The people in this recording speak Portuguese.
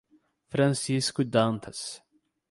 Francisco Dantas